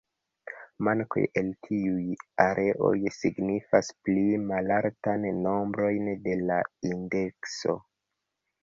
Mankoj el tiuj areoj signifas pli malaltan nombrojn de la indekso.